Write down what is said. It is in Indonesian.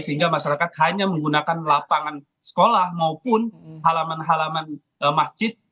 sehingga masyarakat hanya menggunakan lapangan sekolah maupun halaman halaman masjid